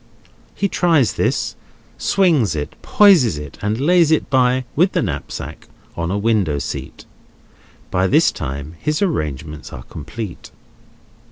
He tries this, swings it, poises it, and lays it by, with the knapsack, on a window seat. By this time his arrangements are complete.